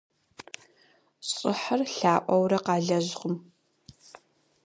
ЩӀыхьыр лъаӀуэурэ къалэжькъым.